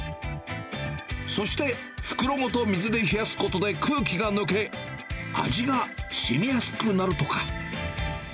そして袋ごと水で冷やすことで空気が抜け、味が染みやすくなるとか。